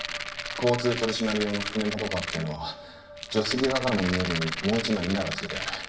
交通取締用の覆面パトカーってのは助手席側からも見えるようにもう１枚ミラーが付けてある。